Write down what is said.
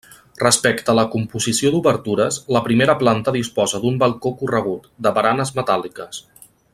Respecte a la composició d'obertures, la primera planta disposa d'un balcó corregut, de baranes metàl·liques.